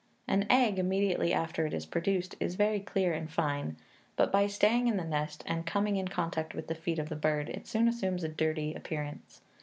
An egg, immediately after it is produced, is very clear and fine; but by staying in the nest, and coming in contact with the feet of the bird, it soon assumes a dirty appearance.